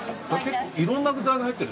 いろんな具材が入ってる？